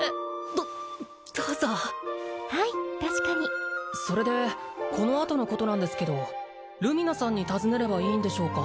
どどうぞはい確かにそれでこのあとのことなんですけどルミナさんに尋ねればいいんでしょうか？